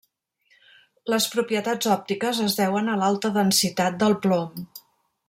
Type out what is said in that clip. Les propietats òptiques es deuen a l'alta densitat del plom.